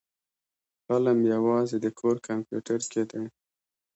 فلم يوازې د کور کمپيوټر کې دی.